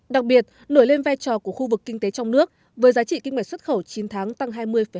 đặc biệt nổi lên vai trò của khu vực kinh tế trong nước với giá trị kinh mạch xuất khẩu chín tháng tăng hai mươi hai